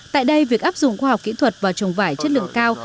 tại đây việc áp dụng khoa học kỹ thuật và trồng vải chất lượng cao